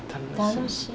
「楽しい」。